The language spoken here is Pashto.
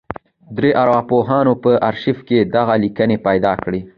درې ارواپوهانو په ارشيف کې دغه ليکنې پیدا کړې.